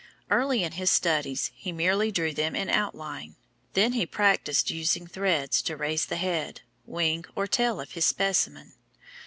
Early in his studies he merely drew them in outline. Then he practised using threads to raise the head, wing or tail of his specimen.